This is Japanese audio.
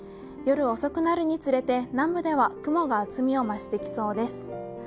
夜遅くなるにつれて、南部では雲が厚みを増してきそうです。